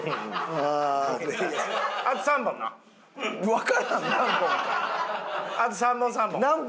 あと３本３本。